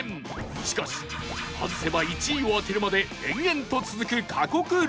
しかし外せば１位を当てるまで延々と続く過酷ルール